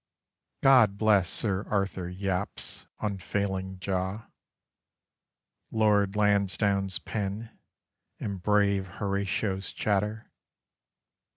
God bless Sir Arthur Yapp's unfailing jaw, Lord Lansdowne's pen, and brave Horatio's chatter!